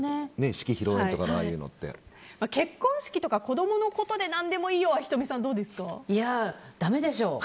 結婚式とか子供のことで何でもいいよはだめでしょ。